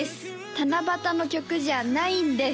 七夕の曲じゃないんです